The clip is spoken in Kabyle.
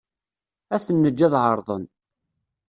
Ad ten-neǧǧ ad ɛerḍen.